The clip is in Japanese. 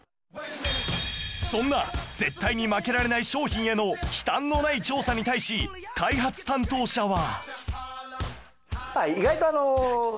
そんな絶対に負けられない商品への忌憚のない調査に対し開発担当者は